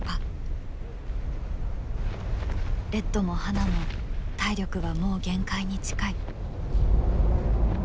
レッドもハナも体力はもう限界に近い。